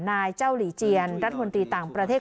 นายเจ้าหลีเจียนรัฐมนตรีต่างประเทศ